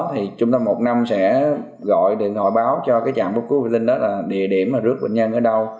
thì trung tâm một năm sẽ gọi điện thoại báo cho trạm cấp cứu vệ tinh đó là địa điểm rước bệnh nhân ở đâu